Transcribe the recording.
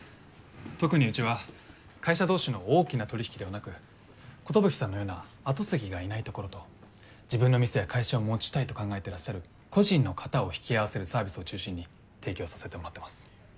特にうちは会社同士の大きな取引ではなくコトブキさんのような後継ぎがいない所と自分の店や会社を持ちたいと考えてらっしゃる個人の方を引き合わせるサービスを中心に提供させてもらってます。